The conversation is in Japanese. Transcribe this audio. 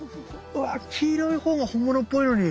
うわ黄色いほうが本物っぽいのに。